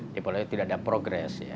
di polda itu tidak ada progres